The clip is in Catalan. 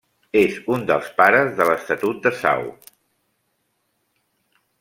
És un dels pares de l'Estatut de Sau.